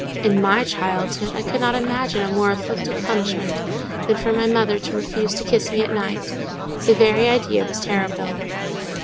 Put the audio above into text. In my childhood I could not imagine a more afflictive punishment than for my mother to refuse to kiss me at night: the very idea was terrible.